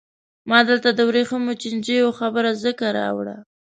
ما دلته د ورېښمو چینجیو خبره ځکه راوړه.